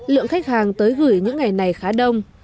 lượng khách hàng tới gửi những ngày này khá đông